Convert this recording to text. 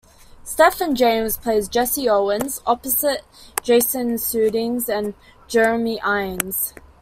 Stephan James plays Jesse Owens, opposite Jason Sudeikis and Jeremy Irons.